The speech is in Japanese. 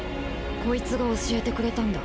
コイツが教えてくれたんだ。